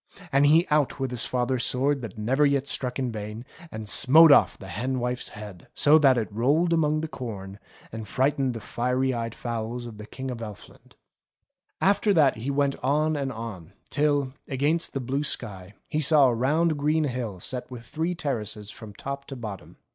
And he out with his father's sword that never yet struck in vain, and smote off the hen wife's head, so that it rolled among the corn and frightened the fiery eyed fowls of the King of Elfland. CHILDE ROWLAND 283 After that he went on and on, till, against the blue sky, he saw a round green hill set with three terraces from top to bottom.